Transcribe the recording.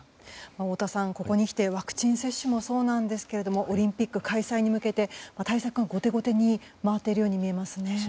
太田さん、ここにきてワクチン接種もそうですがオリンピック開催に向けて対策が後手後手に回っているように見えますね。